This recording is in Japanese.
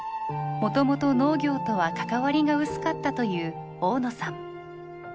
もともと農業とは関わりが薄かったという大野さん。